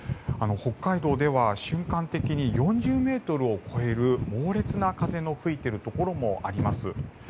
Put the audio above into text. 北海道では瞬間的に４０ｍを超える猛烈な風の吹いているところもあります。